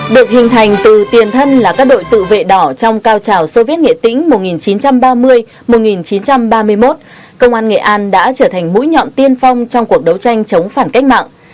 được hình thành từ tiền thân là các đội tự vệ đỏ trong cao trào soviet nghệ tĩnh một nghìn chín trăm ba mươi một nghìn chín trăm ba mươi một công an nghệ an đã trở thành mũi nhọn tiên phong trong cuộc đấu tranh chống phản cách mạng